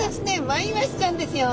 マイワシちゃんですよ。